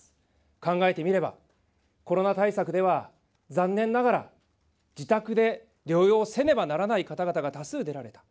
考えてみれば、コロナ対策では、残念ながら自宅で療養せねばならない方々が多数おられた。